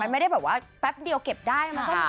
็ไม่ได้แฟะเดี่ยวเก็บได้